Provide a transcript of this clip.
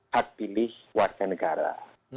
hak pilih warga negara